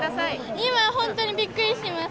今、本当にびっくりしてます。